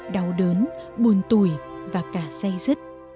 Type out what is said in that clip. đau đớn buồn tùy và cả say rứt